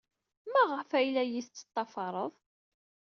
Maɣef ay la iyi-tettḍafared?